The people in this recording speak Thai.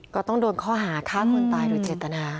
ก็ต้องโดนข้อหาฆ่าคนตายโดยเจตนา